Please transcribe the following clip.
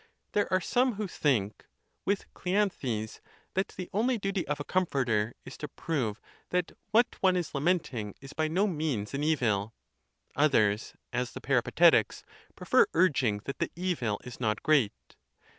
There are some who think, with Cleanthes, that the only duty of a comforter is to prove that what one is lamenting is by no means an evil. Oth ers, as the Peripatetics, prefer urging that the evil is not great.